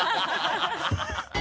ハハハ